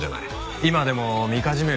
今でもみかじめ料？